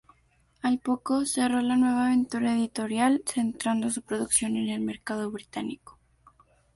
Al poco, cerró la nueva aventura editorial, centrando su producción en el mercado británico.